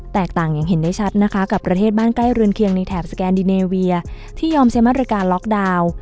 แตกต่างอย่างเห็นได้ชัดนะคะกับประเทศบ้านใกล้เรือนเคียงในแถบสแกนดิเนเวียที่ยอมใช้มาตรการล็อกดาวน์